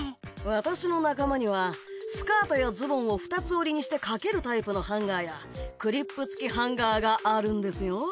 私の仲間にはスカートやズボンを二つ折りにしてかけるタイプのハンガーやクリップ付きハンガーがあるんですよ。